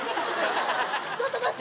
ちょっと待って。